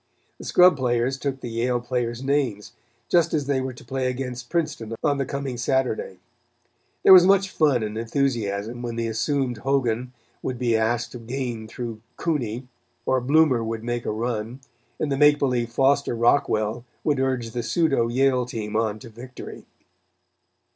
The scrub players took the Yale players' names, just as they were to play against Princeton on the coming Saturday. There was much fun and enthusiasm, when the assumed Hogan would be asked to gain through Cooney, or Bloomer would make a run, and the make believe Foster Rockwell would urge the pseudo Yale team on to victory.